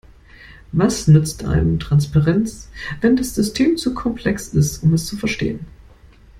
Was nützt einem Transparenz, wenn das System zu komplex ist, um es zu verstehen?